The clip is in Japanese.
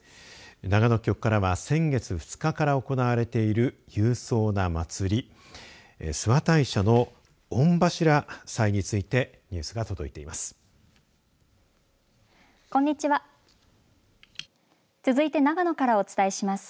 長野局からは先月２日から行われている勇壮な祭り、諏訪大社の御柱祭についてニュースが届いています。